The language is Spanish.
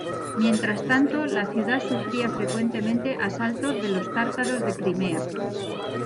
Mientras tanto, la ciudad sufría frecuentemente asaltos de los tártaros de Crimea.